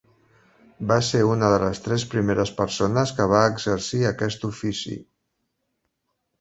Va ser una de les tres primeres persones que va exercir aquest ofici.